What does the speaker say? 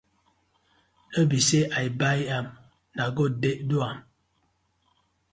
No bie say I bai am na god ded.